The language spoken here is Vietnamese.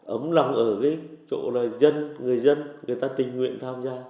ấm lòng ở cái chỗ là dân người dân người ta tình nguyện tham gia